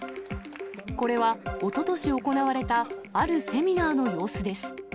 これはおととし行われたあるセミナーの様子です。